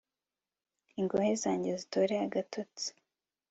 ingohe zanjye zitore agatotsi